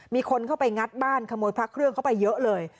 มีคนเข้าไปงัดบ้านขโมยพระเครื่องเข้าไปเยอะเลย